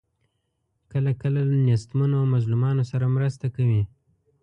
کله کله له نیستمنو او مظلومانو سره مرسته کوي.